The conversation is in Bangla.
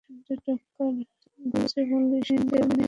বুঝে বলিস, হিন্দু মেয়েকে মুসলমান পরিচয়ে নেওয়ার সময় ধরা পড়লে সাক্ষাৎ মরণ।